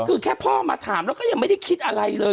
คือแค่พ่อมาถามแล้วก็ยังไม่ได้คิดอะไรเลย